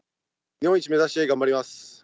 日本一目指して頑張ります。